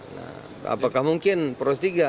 nah apakah mungkin poros tiga